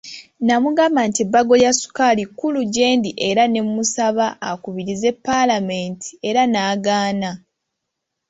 Namugamba nti ebbago lya Ssukaali kkulu gyendi era ne musaba akubirize paalamenti era n'agaana.